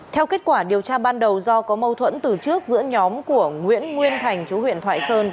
theo kết quả điều tra ban đầu do có mâu thuẫn từ trước giữa nhóm của nguyễn nguyên thành chú huyện thoại sơn